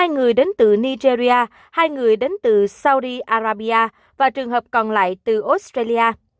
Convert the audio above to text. hai người đến từ nigeria hai người đến từ saudi arabia và trường hợp còn lại từ australia